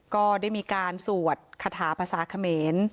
ก็ได้มีการสวดคาถาภาษาเขมร